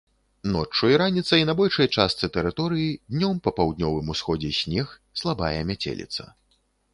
Ноччу і раніцай на большай частцы тэрыторыі, днём па паўднёвым усходзе снег, слабая мяцеліца.